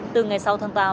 từ ngày sáu tháng tám